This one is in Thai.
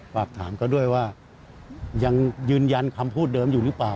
ฝากถามเขาด้วยว่ายังยืนยันคำพูดเดิมอยู่หรือเปล่า